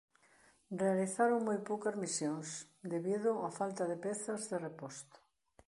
Realizaron moi poucas misións debido á falta de pezas de reposto.